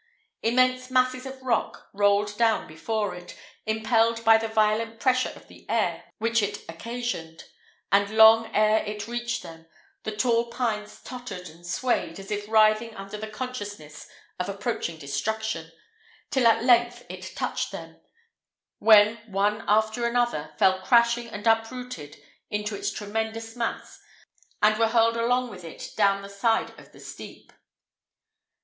Immense masses of rock rolled down before it, impelled by the violent pressure of the air which it occasioned; and long ere it reached them, the tall pines tottered and swayed as if writhing under the consciousness of approaching destruction, till at length it touched them, when one after another fell crashing and uprooted into its tremendous mass, and were hurled along with it down the side of the steep.